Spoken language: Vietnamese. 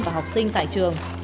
và học sinh tại trường